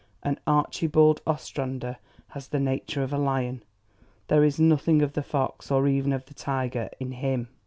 And Archibald Ostrander has the nature of a lion. There is nothing of the fox or even of the tiger in HIM.